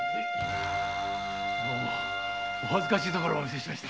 どうもお恥ずかしいところをお見せしました。